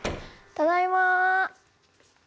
ただいま。